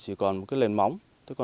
chỉ còn một cái lền móng